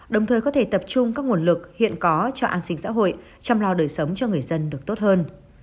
đồng thời có thể tập trung các nguồn lực hiện có cho an sinh xã hội chăm lo đời sống cho người dân được tốt hơn